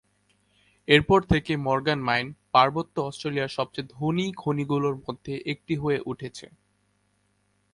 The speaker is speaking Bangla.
এরপর থেকে মর্গান মাইন পর্বত অস্ট্রেলিয়ার সবচেয়ে ধনী খনিগুলোর মধ্যে একটা হয়ে উঠেছে।